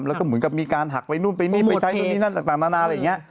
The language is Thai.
แล้วก็เหมือนกับมีการหักไปนู่นไปนี่ไปใช้นู่นนี่นั่นต่างนานาอะไรอย่างนี้